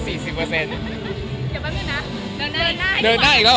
เดี๋ยวแป๊บนึงนะเดินหน้าอีกแล้ว